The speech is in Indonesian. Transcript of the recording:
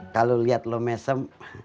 kalau liat lo mesem